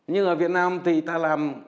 nhưng ở việt nam thì ta làm